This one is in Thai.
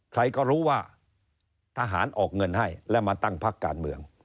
ใครก็รู้ว่าทหารออกเงินให้และมาตั้งพักการเมือง